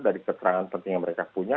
dari keterangan penting yang mereka punya